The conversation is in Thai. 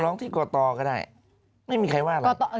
ร้องที่กตก็ได้ไม่มีใครว่าหรอก